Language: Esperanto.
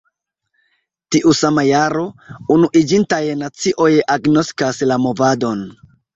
Tiu sama jaro, Unuiĝintaj Nacioj agnoskas la movadon.